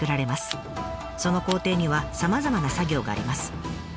その工程にはさまざまな作業があります。